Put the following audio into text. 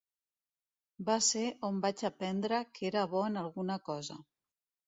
Va ser on vaig aprendre que era bo en alguna cosa.